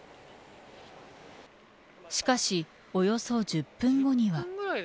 しかし、およそ１０分後には。